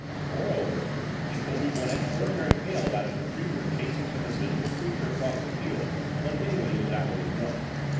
"Moreover, he told me one extraordinary tale about his retriever chasing some invisible creature across the field one day when he was out with his gun.